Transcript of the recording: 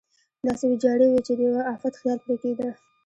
داسې ویجاړې وې چې د یوه افت خیال پرې کېده.